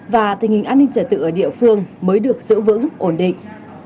và tình hình an ninh trả tự ở địa phương mới được giữ vững ổn định